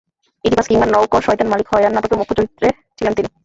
Oedipus কিংবা নওকর শয়তান মালিক হয়রান নাটকেও মুখ্য চরিত্রে ছিলেন তিনি।